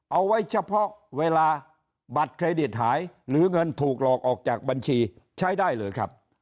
เอาไว้เฉพาะเวลาบัตรเครดิตหายหรือเงินถูกหลอกออกจากบัญชีใช้ได้เลยครับ